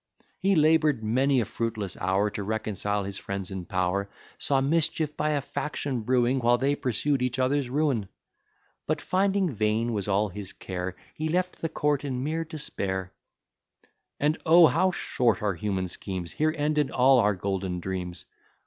He labour'd many a fruitless hour, To reconcile his friends in power; Saw mischief by a faction brewing, While they pursued each other's ruin. But finding vain was all his care, He left the court in mere despair. "And, oh! how short are human schemes! Here ended all our golden dreams.